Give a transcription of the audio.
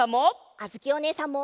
あづきおねえさんも！